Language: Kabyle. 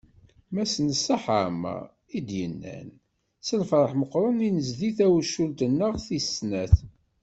Mass Neṣṣaḥ Ɛmer, i d-yennan: “S lferḥ meqqren i d-nezdi tawcult-nneɣ tis snat."